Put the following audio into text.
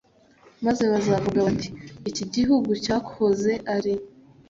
Maze bazavuga bati Iki gihugu cyahoze ari